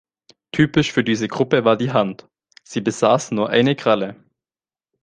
Typisch für diese Gruppe war die Hand; sie besaßen nur eine Kralle.